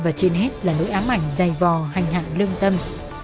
và trên hết là nỗi ám ảnh dày vò hành hạ lương tâm